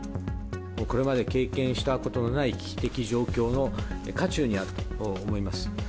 これまで経験したことのない、危機的状況の渦中にあると思います。